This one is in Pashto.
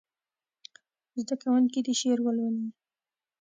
زده کوونکي دې شعر ولولي.